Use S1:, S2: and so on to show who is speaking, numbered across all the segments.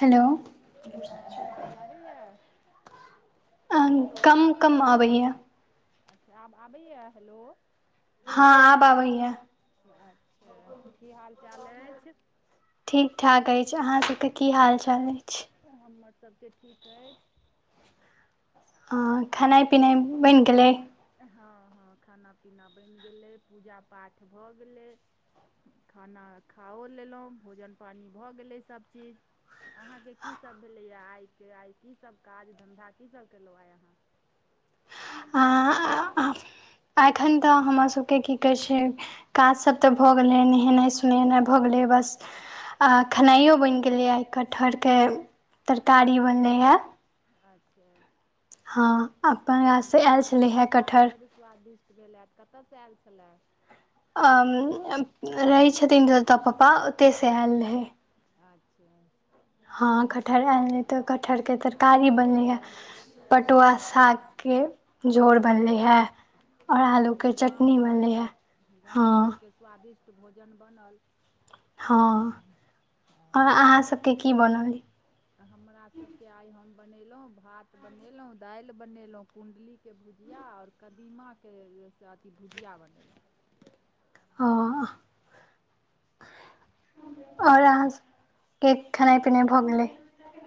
S1: Hello.
S2: हँ, अवाज आबैए। हेलो
S1: कम कम आबैए।
S2: अच्छा! आब आबैया हेलो।
S1: हँ आब आबैया
S2: अच्छा! की हाल चाल अछि?
S1: ठीक ठाक अछि, अहाँ सबके की हाल चाल अछि?
S2: हमर सबके ठीक अछि।
S1: आँ खेनाइ पिनाइ बनि गेलै?
S2: हँ हँ खाना- पीना बनि गेलै, पूजा पाठ भऽ गेलै। खाना खाओ लेलहुँ, भोजन -पानि भऽ गेलै सभचीज। अहाँके की सब भेलैया आइ के, आइ की सब काज- धंधा की सब केलहुं आइ अहाँ?
S1: आँ एखन तऽ हमर सभके की कहैत छै। काजसभ तऽ भऽ गेलै, नहेनाइ -सोनेनाइ भऽ गेलै बस। आ खेनाइओ बनि गेलैए, कटहरके तरकारी बनलैए।
S2: अच्छा!
S1: अपन
S2: तहन तऽ
S1: गाछसँ आयल
S2: कटहरके
S1: छलै हे
S2: तरकारी
S1: कटहर
S2: बड्ड स्वादिष्ट भेल हेत, कतयसँ आयल छलए।
S1: अ रहै छथिन जतऽ पप्पा, ओतय से आयल रहय।
S2: अच्छा!
S1: हँ कटहर एल रहै, तऽ कटहरके तरकारी बनलै हए। पटुआ
S2: हँ
S1: सागके झोर
S2: वाह
S1: बनलै
S2: वाह
S1: हे। और
S2: तहन
S1: आलू
S2: तऽ
S1: के
S2: ई गाम
S1: चटनी बनले
S2: घरके,
S1: हे
S2: गाम
S1: हँ
S2: घरके स्वादिष्ट भोजन बनल।
S1: हँ, और अहाँ सबके की बनल ऐ?
S2: हमरा सभके आइ हम बनेलहुँ, भात बनेलहुँ, दालि बनेलहुँ, कुण्डली के भुजिया, आओर कदीमाके अथी भुजिया बनेलहुँ।
S1: हँ, और अहाँ
S2: आओर
S1: सब के के खेनाइ -पिनाइ भऽ गेलै।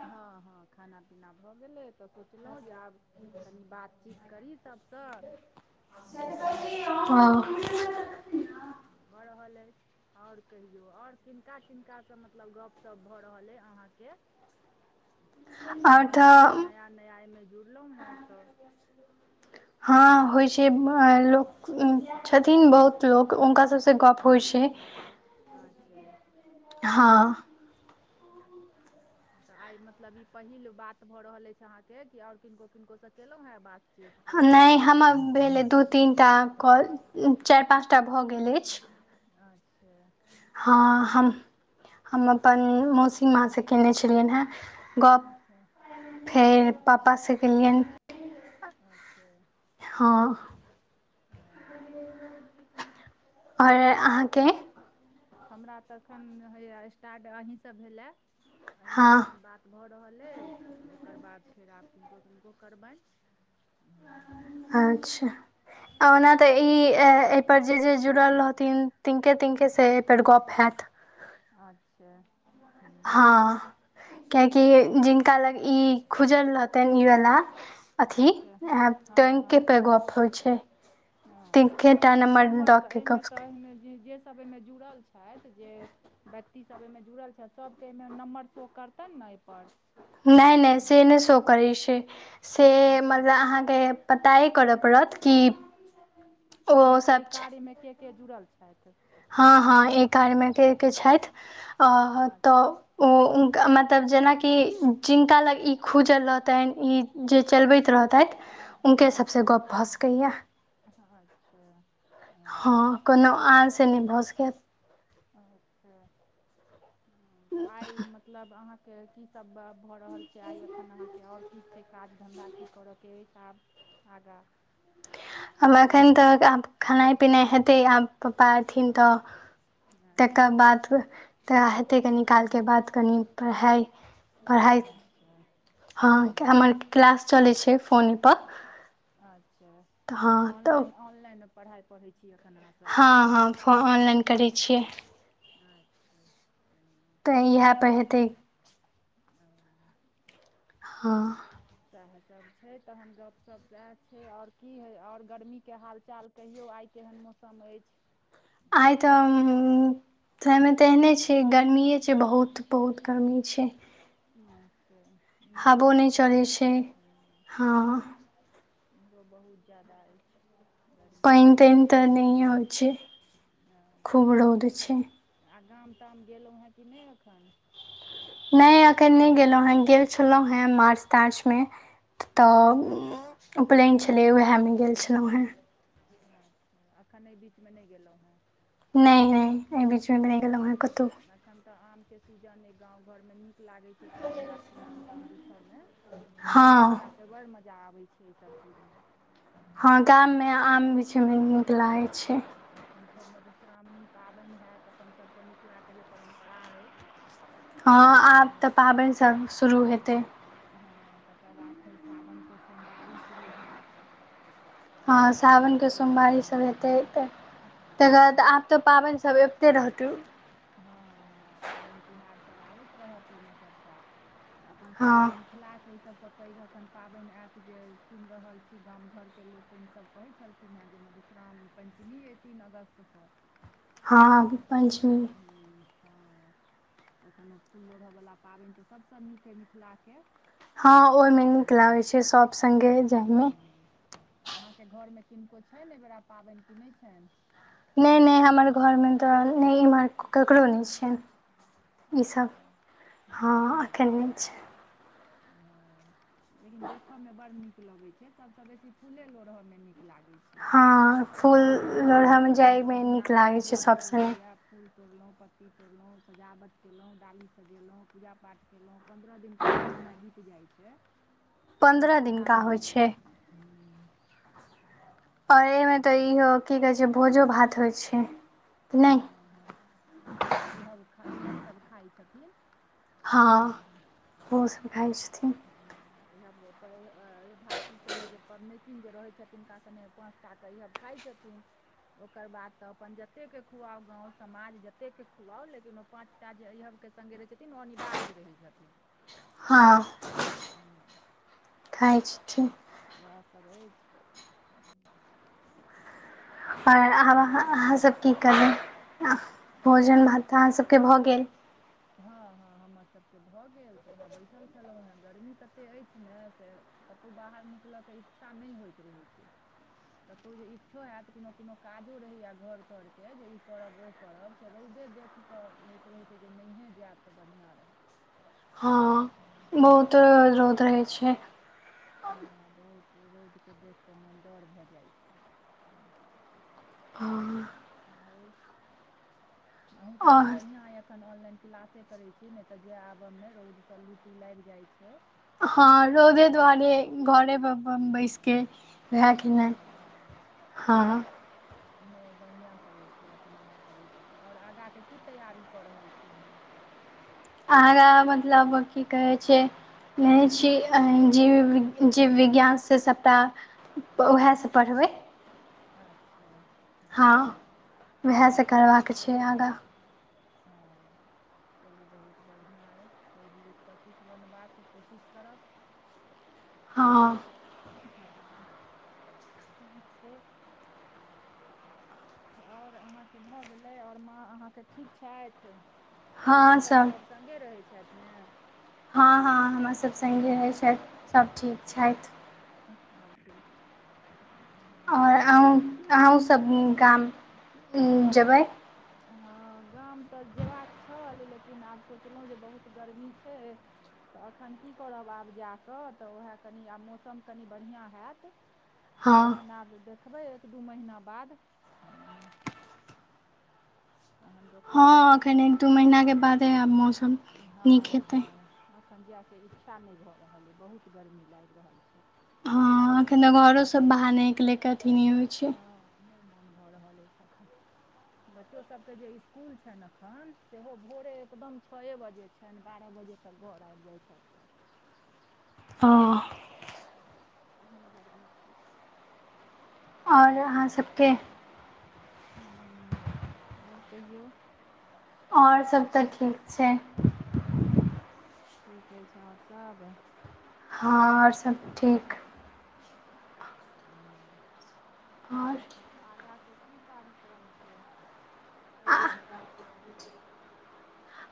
S2: हँ, हँ, खाना -पीना भऽ गेलै, तऽ सोचलहुँ जे आब कनि बात चीत करी सभसँ, तऽ उएह
S1: हँ
S2: गप्पशप भऽ रहल अछि। और कहियो, और किनका -किनका से मतलब गप -सप भऽ रहल अे अहाँ के? हम तऽ एखन नया -नया एहिमे जुड़लहुँ हेँ, तऽ।
S1: हँ होइ छै, लोक छथिन बहुत लोक, हुनका सभसँ गप्प होइ छै।
S2: अछा!
S1: हँ।
S2: तऽ आइ मतलब ई पहिल बात भऽ रहल अछि अहाँके, कि आओर किनको -किनकोसँ केलहुँ हेँ बातचीत। सभटा
S1: नहि हमर भेलै दू, तीनटा काँल, चारि, पाँच टा भऽ गेल अछि।
S2: अच्छा!
S1: हँ, हम, हम अपन मौसी माँसँ कयने छलियनि हेँ। गप,
S2: अच्छा
S1: फेर
S2: अच्छा
S1: पापासँ गेलियनि।
S2: अच्छा
S1: हँ।
S2: ह
S1: ओर अहाँके
S2: हमरा तखन हय स्टार्ट अहीं से भेले अहींसँ
S1: हँ
S2: अखन बात भऽ रहल अइ ओकर बाद फेर आब किनको किनको करबैन हूँ।
S1: अच्छा आ ओना तऽ ई एहिपर जे जे जुड़ल रहथिन तिनके तिनके से एहिपर गप हेएत।
S2: अच्छा
S1: हँ कियाकि
S2: हँ
S1: जिनका लग ई खुजल रहतैन ई वला अथी
S2: अच्छा हँ
S1: टैंक
S2: हँ
S1: के पे गप होइ छै।
S2: अच्छा तऽ
S1: तिनकेटा
S2: एहिमे नम्बर
S1: दऽ
S2: तऽ
S1: कऽ
S2: एहिमे
S1: गप
S2: तऽन जे जेसब एहिमे जुड़ल छथि जे व्यक्तिसब एहिमे जुड़ल छैथ सबके एहिमे नम्बर शो करतैन ने एहिपर
S1: नैय- नैय से नै सेहो करै छै से
S2: अच्छा
S1: मतलब आहाँके पतए करऽ पड़त कि
S2: एहिमे एय
S1: ओसभ
S2: कार्य मे के- के जुड़ल छैथ।
S1: हँ हँ ई कारमे के के छैथ अ
S2: अच्छा
S1: तऽ ओ उनका मतलब जेनाकि जिनका लग ई खुजल रहतैन ई जे चलबैत रहतैथ। उनके सबसँ
S2: अच्छा
S1: गप भऽ सकैया।
S2: अच्छा हँ
S1: हँ कोनो आनसँ नै भऽ सकैया।
S2: अच्छा हँ तऽ आइ मतलब अहाँके की सब ब भऽ रहल छै आइ एखन अहाँके ओर की छै काज धंधा की करय के अछि आब आगा।
S1: आब एखन तऽ आब खेनाइ पिनाइ हेतै आब पप्पा एथिन तऽ। तकर
S2: अच्छा
S1: बाद वएह हेतै कनि कालके बाद कनि पढ़ाइ। पढ़ाइ
S2: अच्छा
S1: हँ
S2: हूँ,
S1: हमर क्लास चलै छै फोनेपर।
S2: अच्छा
S1: तऽ
S2: ऑनइन ऑनलाइन पढ़ाइ पढ़ै छी। एखन अहाँसभ
S1: हँ हँ फो ऑनलाइन
S2: हूँ
S1: करै छियै।
S2: अच्छा हँ।
S1: तऽ इएहे पर हेतै।
S2: हँ।
S1: हँ।
S2: सएह सब छै तहन गप सप सएह छै और की हय ओर गर्मी के हाल -चाल कहियो आइ केहन मौसम अइछ।
S1: आय तऽ तइमे तऽ एहने छै गर्मिये छै बहुत -बहुत गर्मी छै।
S2: अच्छा इम्हरो
S1: हवो नहि
S2: बहुत
S1: चलै
S2: जादा अइ।
S1: छै हँ
S2: हमरो बहुत जादा अइछ।
S1: पइन तइन तऽ नै होय छै।
S2: ओ
S1: खूब रौद छै
S2: आ गाम -ताम गेलो हेँ कि नै एखन
S1: नै अखन नै गेलौ हेँ गेल छेलौ हेँ मार्च तार्च मे तऽ
S2: अच्छा
S1: उपलैन छेलै उएह मे गेल छेलौ हेँ।
S2: अच्छा एखन एय बीचमे नै गेलहुँ हेँ।
S1: नैय - नैय एय बीचमे नै गेलौ हेँ कतौ।
S2: एखन तऽ आम के सीजन अय गाँव घर मे निक लागे छै कलम गाछी मे आम ताम बिछऽ में, धिया पुता
S1: हँ
S2: तऽ बड़ मजा आबै छै एहि सब चीजमे।
S1: हँ, गाममे आम बीछाऽ मे नीक लागै छै।
S2: एखन फेर मधुश्रमणी पाबैन हैत, अपन सभके मिथिलाके जे परम्परा अछि।
S1: हँ आब तऽ पाबैन सब शुरू हेतै।
S2: हँ, तकर बाद फेर सावनके सोमवारी शुरू हैत। तऽ
S1: हँ
S2: एखन तऽ
S1: सावन
S2: सभ
S1: के
S2: ओहि
S1: सोमवारी सब हेतै तऽ तकर
S2: हँ
S1: बाद
S2: अहाँ
S1: आब तऽ पाबैन सभ अबिते रहत रो
S2: हँ-हँ, पाबैन तिहार सब आबैत रहत ओइ मे सबटा अपन सब के
S1: हँ
S2: जे मिथ् लाके आई सब सँ पैघ अखन पाबैन ऐत, जे सुनि रहल छी गाम घरके लोक लोकैन सब कहै छलखिन हेँ जे मधुश्राम्-पञ्चमी अइ तीन अगस्त सँ।
S1: हँऽ, पैञ्चमी।
S2: हुम्म। हँ, अखन ओ फूल लोढ़यवला पाबनि तऽ सभसँ निक अइ मिथिलाके।
S1: हँ, ओइ मे
S2: हूँ
S1: नीक लागैत छै सब संगे जायमे।
S2: अहाँके घरमे किनको छैन एहिबेरा पाबनि कि नैय छैन?
S1: नैय-नैय, हमर घरमे तऽ नैय इम्हर ककरो नैय छैं। इसब हँ,
S2: अच्छा
S1: एखन नैय छै।
S2: लेकिन देखाऽ मे बड़ निक लगैत छै, सबसऽ बेसी फूले लोढ़य मे निक लागै छै।
S1: हँ फूल
S2: अऽ
S1: लोढ़यमे
S2: पन्द्रह
S1: जाइमे
S2: दिन
S1: नीक
S2: आदमी
S1: लागै छै सभ
S2: व्यस्त
S1: सङ्गे
S2: रहैयाऽ, फूल तोरलौं, पत्ती तोरलौं, सजावट केलौं, डाली सजेलौं, पूजा पाठ केलौं, पन्द्रह दिन केना समय बीत जाइ छै, किछु
S1: पन्द्रह
S2: पता
S1: दिनका
S2: नहि
S1: होइ
S2: चलै छै।
S1: और अइ मे
S2: हँ
S1: तऽ इहो की कहै छै? भोजो-भात होइ छै। कि नहि
S2: हँ-हँ-हँ बहुत, अईहब सब खाइ छथिन।
S1: हँ ओहोसब खाइ छथिन।
S2: अईहब-पइ-भाती सने जे पबनैतिन जे रहै छथिन, हिनका सने पांच टा कऽ अइहब खाइ छथिन। ओकर बाद तऽ अपन जतेक के खुआउ, गाँव समाज जतेक के खुआउ, लेकिन ओ पाँच टा जे अइहब के सङ्गे रहै छथिन ओ अनिवार्ज रहै छथिन।
S1: हँ।
S2: ह्म्म।
S1: खाइ छथिन।
S2: वैह सब अछि।
S1: आओर आब-अहाँ-अहाँ सब की करबै? भोजन भात अहाँसब के भऽ गेल?
S2: हँ-हँ हमर सब के भऽ गेल, तऽ ओहैऽ बैसल छलौं हेँ, गर्मी तते अछि ने से कतौ बाहर निकलय के इच्छा नहि होइत रहै छै। कतौ जे इक्छो हैत, कुनो-कुनो काजो रहैयाऽ घर-तर के जे ई करब, ओ करब रौदे देख के होइत रहे छै जे नहिये जैऽब तऽ बढ़िया रहत।
S1: हँ, बहुते रौद रहै छै।
S2: हँ बहुत रौदके देखि कऽ, मोन डर भऽ जाइत छै।
S1: हॉंऽ।
S2: सैह अछि, आहुं सबके
S1: आओर
S2: बढियाँ अइ अखन ऑनलाइन किलासे करै छी, नैय तऽ जैऽ आबऽ में रौद स लू-तू लाइग जाइ छै।
S1: हँ, रौदे
S2: एखुनका
S1: दुआरे
S2: सभ
S1: घरे पर अपन
S2: हँ
S1: बैसके नहैऽ कि
S2: हँ
S1: नैय? हॉं।
S2: नै बढ़ियां करै छी अखन उहे करै छी आओर आगांके की तैयारी क रहल छी अहाँ?
S1: आगां मतलब की कहै छै? नै छिअइ अहीं जीव विग, जीव विज्ञान से सबटा त उहे सं पढ़बै।
S2: अच्छा।
S1: हं [inaudible] उहे सं करबाक छै आगां
S2: ओ चलू बहुत बढ़िया अछि, पढ़ि लिखिक किछ बनबाके कोशिश करब।
S1: हँ
S2: हुं [inaudible] अं हं [inaudible] सैह छै। आओर अहाँके भ गेलै आओर माँ अहाँके ठीक छथि? माँ
S1: हँ
S2: सब,
S1: सभ
S2: सब सङ्गे रहै छथि ने?
S1: हं- हं हमरा सब सङ्गे रहै छथि सब ठीक छथि।
S2: [unintelligible]
S1: आओर अहुं अहुन सब गाम [inaudible] जेबै?
S2: हं गाम त जेबाक छल लेकिन आब सोचलौं जे बहुत गर्मी छै त अखन की करब आब जाक त उहे कनी आब मौसम कनी बढ़ियां हैत।
S1: हँ
S2: तहन आब देखबै एक दू महीना बाद हुं तहन देखल
S1: हँ
S2: जेतै
S1: एखन एक दू
S2: गामके
S1: महीनाके बादे आब मौसम
S2: [inaudible]
S1: नीक हेतै
S2: हं-हं। अखन जा के इच्छा नै भ रहल ऐ बहुत गर्मी लागि रहल छै।
S1: अखन त
S2: बहुत
S1: घरो
S2: छै
S1: सं बाहर निकलैके अथी नै होइ छै।
S2: नै मोन भ रहल अछि अखन। बच्चो सबके जे स्कूल छनि अखन सेहो भोरे एकदम छए बजे छनि बारह बजे तक घर आबि जाइ छथि सब।
S1: हं
S2: तेहन गर्मी छै।
S1: आओर अहाँ सबके
S2: हुं आओर कहियौ?
S1: आओर सब त ठीक छै।
S2: ठीक अछि आओर सब?
S1: हं आओर सब ठीक।
S2: ओ [inaudible] आओर आगां के की कार्यक्रम छै?
S1: आ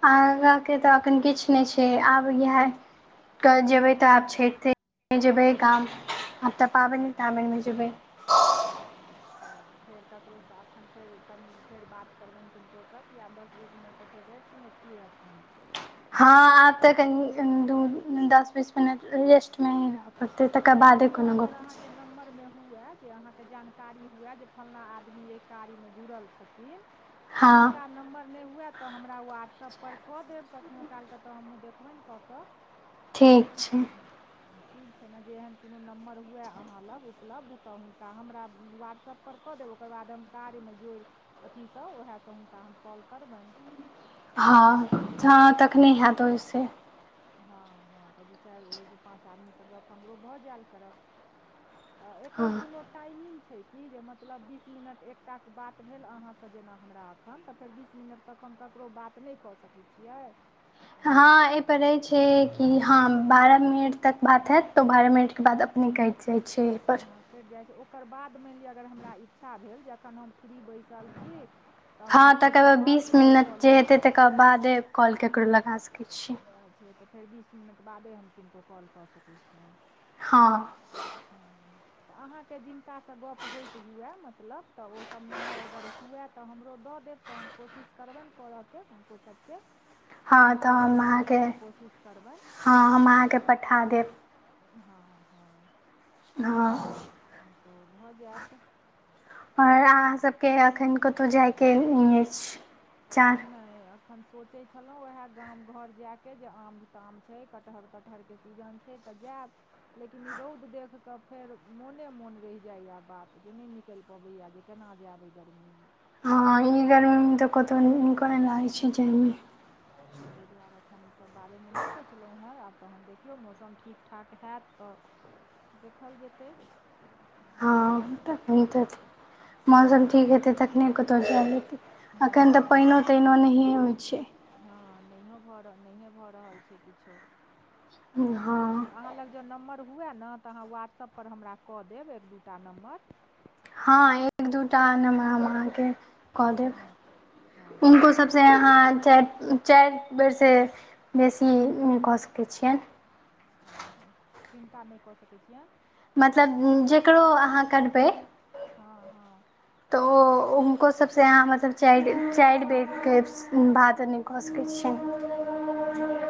S1: आगां के त अखन किछ नै छै। जे आब इहा [inaudible] क जेबै त आब छैठे [inaudible] मे जेबै गाम। आब त पाबनि
S2: छै
S1: ताबनिमे जेबै।
S2: अच्छा फेर ककरो सं अखन फेर कनी फेर बात करबनि किनको सं की आब दस बीस मिनट फेर रेस्टमे छी अखन
S1: हँ आब त कनी दू दस बीस मिनट रेस्टमे ही रहब। होतै तकर बादे कोनो गप छ।
S2: नम्बर में हुए जे अहाँके जानकारी हुए जे फलां आदमी अइ कार्यमे जुरल छथिन।
S1: हँ
S2: तिनका नंबर नै हुए त हमरा व्हाट्सअप पर क देब कखनो कालक त हमहुं देखबनि क क।
S1: ठीक छै
S2: [unintelligible] ठीक। छै न जे एहन कुनो नम्बर हुए अहाँ लग उपलब्ध त हुनका हमरा व्हाट्सअप पर कऽ देब ओकर बाद हम कार्यमे जोड़ि अथीसँ उएहसँ हुनका हम कॉल करबनि।
S1: हँ हँ तखने हैत ओहिसँ।
S2: हँ हँ तऽ दू चारिसँ पाँच आदमीसँ गप्प हमरो भऽ जायल करत। तऽ एकर
S1: हँ
S2: कोनो टाइमिंग छै कि? जे मतलब बीस मिनट एकटाक बात भेल अहाँसँ जेना हमरा एखन तऽ फेर बीस मिनट तक हम ककरो बात नहि कऽ सकैत छियै।
S1: हँ ए पर रहे छै कि हँ बारह मिनट तक बात हयत तो बारह मिनट के बाद अपने कै कइट जाइ छै एहि पर।
S2: हँ कटि जाइ छै ओकर बाद मानि लिअ अगर हमरा इच्छा भेल जे एखन हम फ्री बैसल छी तऽ
S1: हँ
S2: हम
S1: तकर
S2: किनको
S1: बाद
S2: आओर
S1: बीस
S2: कॉल कऽ
S1: मिनट जे हेतै
S2: लियअनि।
S1: तकर बादे कॉल केकरो लगा सकैत छी।
S2: छै तऽ फेर बीस मिनट बादे हम किनको कॉल कऽ सकैत छियनि।
S1: हँ।
S2: ओ। तऽ अहाँके जिनकासँ गप्प होइत हुए मतलब तऽ ओसभ नम्बर अगर हुए तऽ हमरो दऽ देब। तऽ हम कोशिश करबनि करऽके हुनको सबके।
S1: हँ तऽ हम
S2: सम्पर्कमे
S1: अहाँके
S2: आबयके कोशिश करबैन।
S1: हँ हम अहाँके पठा देब।
S2: हँ हँ।
S1: हँ।
S2: तऽ ओ भऽ जायत।
S1: और अहा सबके अखन कतहु जाय के नै अछि। चार
S2: नहि ए अखन सोचे छलों वएह गाम घर जाय के जे आम ताम छै कटहर तटहर के सीजन छै तऽ जायब। लेकिन ई रौद देख के फेर मोने मोन रहि जाय या बात जे नहि निकलि पबेया जे केना जाएब ऐ गरमीमें?
S1: हँ ई गरमीमे तऽ कतहु निको नै
S2: हँ
S1: लागै
S2: हँ
S1: छै जाइमे।
S2: तऽ ताहि दुआरे एखन ईसभ बारेमे नहि सोचलहुँ हेँ आब तहन देखियौ मौसम ठीक ठाक होैत तऽ देखल जेतै।
S1: नै तऽ मौसम ठीक
S2: हँ
S1: हेतै तखने कतहु जाल हेतै। अखन तऽ
S2: हँ
S1: पाइनो
S2: हँ
S1: ताइनो नहिए होइत छै।
S2: हँ नहियो भऽ नहिए भऽ रहल छै किछो।
S1: हँ
S2: तऽ अहाँ लग ज नम्बर हुए ने तऽ आहा वहाट्सप हमरा कऽ देब एक दू टा नम्बर।
S1: हँ एक दूटा नंबर हम अहाँके कऽ देब
S2: हँ
S1: हुनको
S2: हँ
S1: सबसँ अहाँ च चारि बेरसँ बेसी कऽ सकै छियनि।
S2: ओ किनका नहि कऽ सकैत छियनि?
S1: मतलब जेकरो अहाँ करबै।
S2: हँ हँ।
S1: तऽ ओ हुनको सबसँ यहाँ मतलब चाइर चाइर बेड़। ओकर बाद नहि कऽ सकैत छियै।
S2: मतलब एक